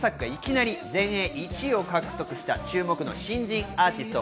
デビュー作がいきなり全英１位を獲得した注目の新人アーティスト。